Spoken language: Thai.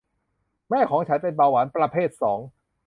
แม่ของฉันเป็นเบาหวานประเภทสอง